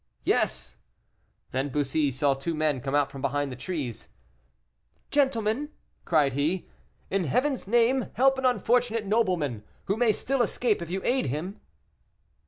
"Yes." Then Bussy saw two men come out from behind the trees. "Gentlemen," cried he, "in heaven's name, help an unfortunate nobleman, who may still escape if you aid him."